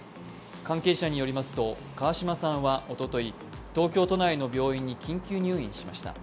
関係者によりますと川嶋さんはおととい、東京都内の病院に緊急入院しました。